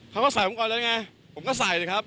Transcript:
เขาก็ใส่ผมก่อนแล้วไงผมก็ใส่เลยครับ